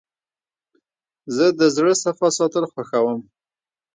زه د زړه صفا ساتل خوښوم.